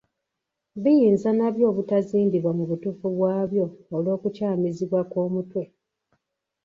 Biyinza n’abyo obutazimbibwa mu butuufu bwabyo olw’okukyamizibwa kw’omutwe.